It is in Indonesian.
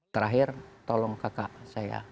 terakhir tolong kakak saya